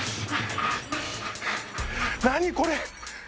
何これ！